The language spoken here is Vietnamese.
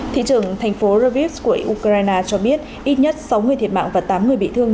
thị trưởng thành phố ravis của ukraine cho biết ít nhất sáu người thiệt mạng và tám người bị thương